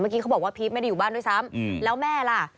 เขาบอกว่าพีชไม่ได้อยู่บ้านด้วยซ้ำแล้วแม่ล่ะ